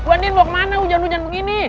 buanin mau kemana hujan hujan begini